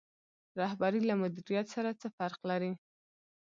رهبري له مدیریت سره څه فرق لري؟